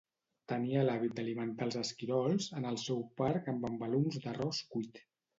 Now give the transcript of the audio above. Tenia l'hàbit d'alimentar els esquirols en el seu parc amb embalums d'arròs cuit.